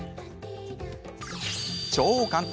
超簡単！